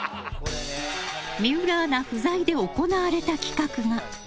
水卜アナ不在で行われた企画が。